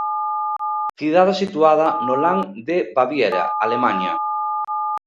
Cidade situada no land de Baviera, Alemaña.